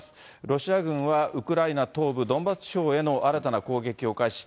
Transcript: ロシア軍はウクライナ東部ドンバス地方への新たな攻撃を開始。